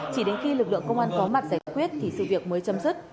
chỉ đến khi lực lượng công an có mặt giải quyết thì sự việc mới chấm dứt